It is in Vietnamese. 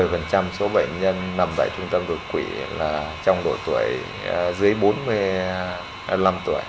tôi gấp tính có khoảng một mươi số bệnh nhân nằm tại trung tâm độc quỷ là trong độ tuổi dưới bốn mươi năm tuổi